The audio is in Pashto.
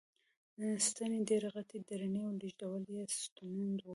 ستنې ډېرې غټې، درنې او لېږدول یې ستونزمن و.